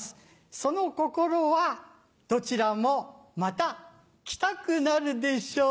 その心はどちらもまたキタクナルでしょう。